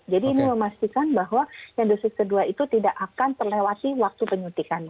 jadi ini memastikan bahwa yang dosis kedua itu tidak akan terlewati waktu penyuntikannya